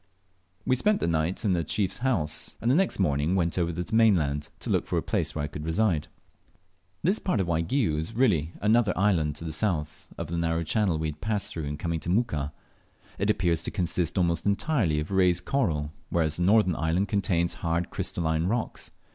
We spent the night in the chief's house, and the next morning went over to the mainland to look out for a place where I could reside. This part of Waigiou is really another island to the south of the narrow channel we had passed through in coming to Muka. It appears to consist almost entirely of raised coral, whereas the northern island contains hard crystalline rocks.